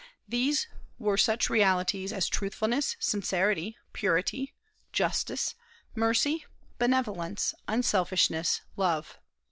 These were such realities as truthfulness, sincerity, purity, justice, mercy, benevolence, unselfishness, love.